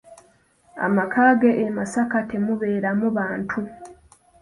Amaka ge e Masaka temubeeramu bantu.